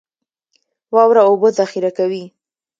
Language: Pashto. واوره اوبه ذخیره کوي